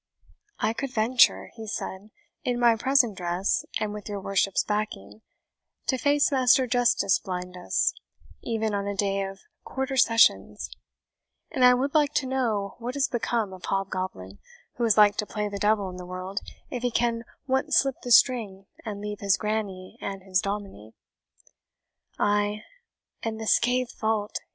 "I could venture," he said, "in my present dress, and with your worship's backing, to face Master Justice Blindas, even on a day of Quarter Sessions; and I would like to know what is become of Hobgoblin, who is like to play the devil in the world, if he can once slip the string, and leave his granny and his dominie. Ay, and the scathed vault!"